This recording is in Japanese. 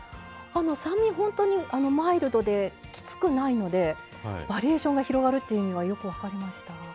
酸味ほんとにマイルドできつくないのでバリエーションが広がるっていう意味はよく分かりました。